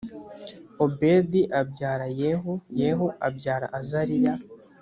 obedi abyara yehu yehu abyara azariya